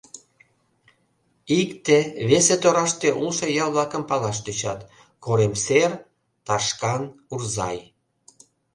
Икте, весе тораште улшо ял-влакым палаш тӧчат: Коремсер, Ташкан, Урзай...